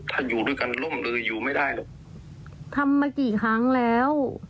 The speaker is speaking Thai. ถ้าอยู่ด้วยกันล่มเลยอยู่ไม่ได้หรอกทำมากี่ครั้งแล้ว